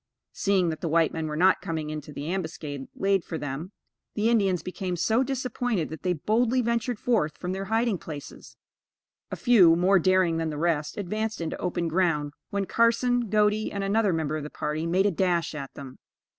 Seeing that the white men were not coming into the ambuscade laid for them, the Indians became so disappointed that they boldly ventured forth from their hiding places. A few, more daring than the rest, advanced into open ground, when Carson, Godey, and another member of the party, made a dash at them.